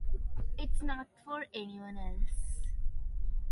It’s not for anyone else.